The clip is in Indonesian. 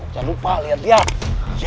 jangan lupa lihat lihat